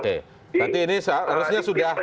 oke berarti ini seharusnya sudah